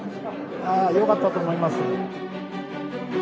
よかったと思います。